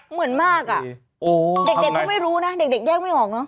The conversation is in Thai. เหมือนมากอ่ะเด็กเขาไม่รู้นะเด็กแยกไม่ออกเนอ